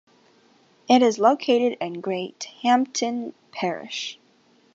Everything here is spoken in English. It is located in Great Hampden parish.